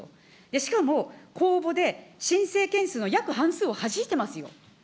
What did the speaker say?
しかも、公募で申請件数の約半数をはじいてますよ。